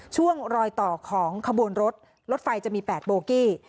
ช่วงรอยต่อของขบวนรถรถไฟจะมี๘โบกี้